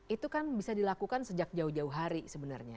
itu kan bisa dilakukan sejak jauh jauh hari sebenarnya